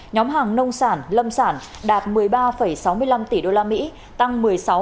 nhóm hàng nông sản lâm sản đạt một mươi ba sáu mươi năm tỷ usd tăng một mươi sáu